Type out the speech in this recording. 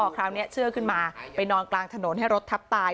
คราวนี้เชื่อขึ้นมาไปนอนกลางถนนให้รถทับตาย